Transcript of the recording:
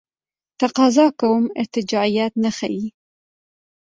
تقاضا کوم ارتجاعیت نه ښیي.